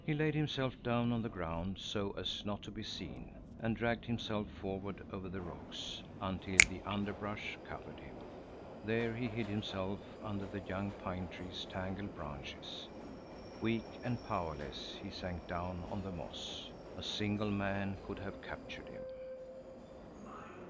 He laid himself down on the ground, so as not to be seen, and dragged himself forward over the rocks until the underbrush covered him. There he hid himself under the young pine tree's tangled branches. Weak and powerless, he sank down on the moss. A single man could have captured him.